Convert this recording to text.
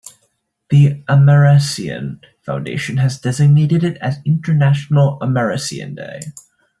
The Amerasian Foundation has designated it as International Amerasian Day.